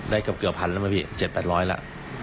ได้เกือบ๑๐๐๐แล้วไหมพี่๗๘๐๐ละ